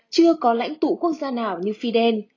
chưa có lãnh tụ quốc gia nào như fidel